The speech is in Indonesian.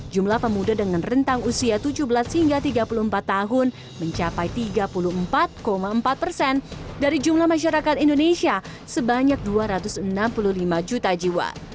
jumlah pemuda dengan rentang usia tujuh belas hingga tiga puluh empat tahun mencapai tiga puluh empat empat persen dari jumlah masyarakat indonesia sebanyak dua ratus enam puluh lima juta jiwa